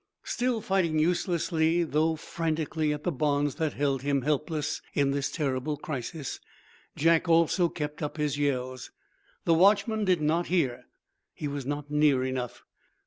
Still fighting uselessly though frantically at the bonds that held him helpless in this terrible crisis, Jack also kept up his yells. The watchman did not hear. He was not near enough.